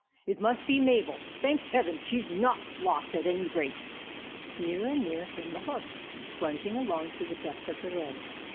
It must be Mabel. Thank Heaven, she 's not lost at any rate ! M Nearer and nearer came the horse, plung ing along through the dust of the road.